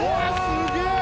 すげえ